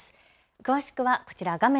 詳しくはこちら画面